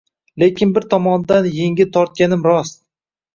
Lekin bir tomondan engil tortganim rost